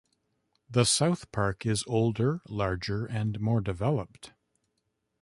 The south park is older, larger, and more developed.